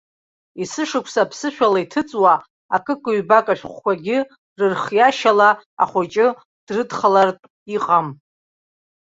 Есышықәса аԥсышәала иҭыҵуа акыкҩбак ашәҟәқәагьы рырхиашьала ахәыҷы дрыдырхалартә иҟам.